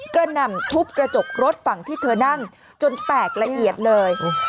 หน่ำทุบกระจกรถฝั่งที่เธอนั่งจนแตกละเอียดเลย